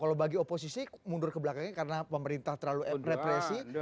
kalau bagi oposisi mundur ke belakangnya karena pemerintah terlalu represi